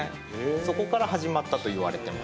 そこから始まったといわれてます。